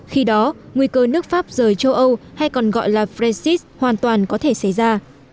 khi đó nguy cơ nước pháp rời châu âu hay còn gọi là brexit hoàn toàn có thể xảy ra